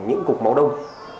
những cục máu đông